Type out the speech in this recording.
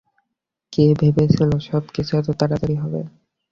কে ভেবেছিল, সবকিছু এতো তাড়াতাড়ি হবে।